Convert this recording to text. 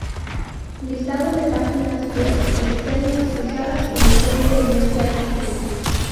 Listado de páginas web externas usadas como fuente en este artículo.